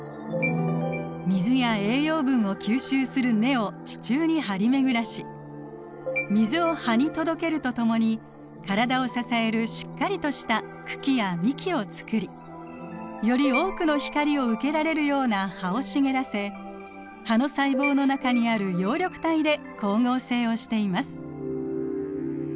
水や栄養分を吸収する根を地中に張り巡らし水を葉に届けるとともに体を支えるしっかりとした茎や幹を作りより多くの光を受けられるような葉を茂らせ葉の細胞の中にある葉緑体で光合成をしています。